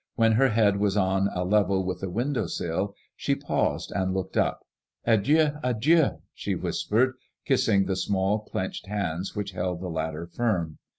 When her head was on a level with the window sill, she paused and looked up. *^ Adieu, adieu/* she whispered, kissing the small clenched hands which held the ladder firm.